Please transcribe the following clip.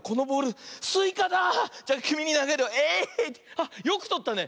あっよくとったね。